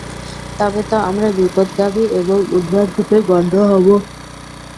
তবে তো আমরা বিপথগামী এবং উন্মাদরূপে গণ্য হব।